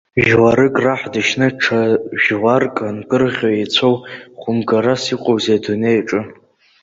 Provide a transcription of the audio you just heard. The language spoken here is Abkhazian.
Жәларык раҳ дышьны даҽа жәларык ангәырӷьо еицәоу хәымгарас иҟоузеи адунеи аҿы!